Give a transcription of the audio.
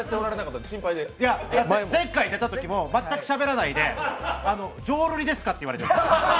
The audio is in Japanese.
前回出たときも全くしゃべらないで浄瑠璃ですか？と言われた。